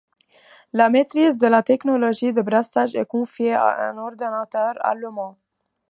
La maitrise de la technologie de brassage est confiée à un ordonateur allemand.